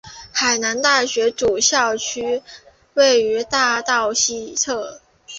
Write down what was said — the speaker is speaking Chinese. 海南大学主校区位于大道西侧。